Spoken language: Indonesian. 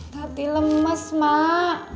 tapi lemes mak